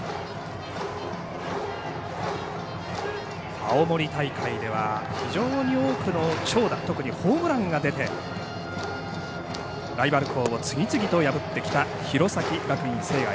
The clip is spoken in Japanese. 青森大会では非常に多くの長打特にホームランが出てライバル校を次々と破ってきた弘前学院聖愛。